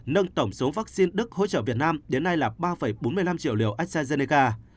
nâng tổng số vaccine đức hỗ trợ việt nam đến nay là ba bốn mươi năm triệu liều astrazeneca